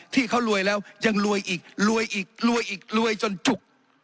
ที่เขารวยแล้วยังรวยอีกรวยอีกรวยอีกรวยจนจุก